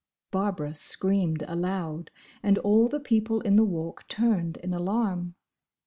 Barbara screamed aloud, and all the people in the Walk turned in alarm.